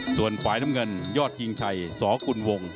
ส่วนฝ่ายน้ำเงินยอดคิงชัยสกุลวง